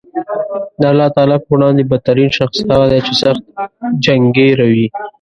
د الله تعالی په وړاندې بد ترین شخص هغه دی چې سخت جنګېره وي